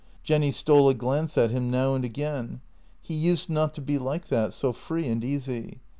Jenny stole a glance at him now and again; he used not to be like that, so free and easy.